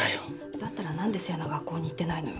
だったら何で星名学校に行ってないのよ